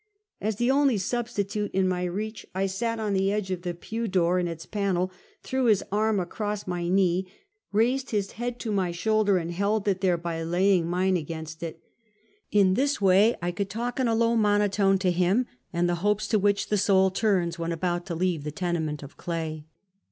As the only substitute in my reach, I sat on the edge of the pew door and its panel, drew his arm across my knee, raised his head to my shoulder, and held it there by laying mine against it. In this way I could talk in a low monotone to him, and the hopes to which the soul turns when about to leave the tenement of clay.